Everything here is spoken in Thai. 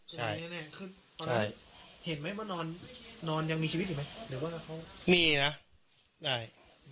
ใช่ใช่เห็นไหมว่านอนนอนยังมีชีวิตอีกไหมหรือว่าเขามีน่ะได้